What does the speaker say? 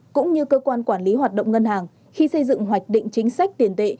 cũng như cơ quan quản lý hoạt động ngân hàng khi xây dựng hoạch định chính sách tiền tệ